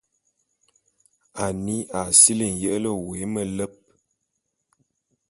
Annie a sili nyele wé meleb.